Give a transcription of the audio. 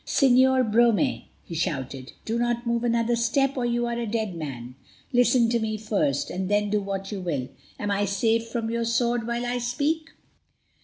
"Señor Brome," he shouted, "do not move another step or you are a dead man. Listen to me first, and then do what you will. Am I safe from your sword while I speak?"